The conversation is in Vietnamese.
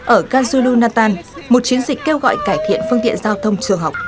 ở kansurunatan một chiến dịch kêu gọi cải thiện phương tiện giao thông trường học